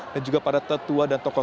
dan juga para tetua dan tokotu